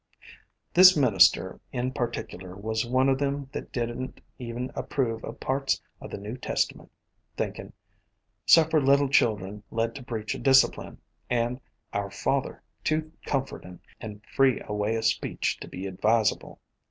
This minister in particular was one o' them that did n't even approve o' parts o' the New Testament, thinkin' * Suffer little children' led to breach o' discipline, and 'Our Father' too comfortin' and free a way o' speech to be advisable.